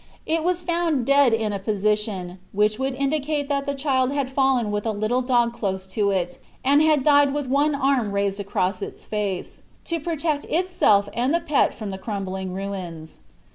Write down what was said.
It was found dead in a position, which would indicate that the child had fallen with a little dog close to it and had died with one arm raised across its face, to protect itself and pet from the crumbling ruins.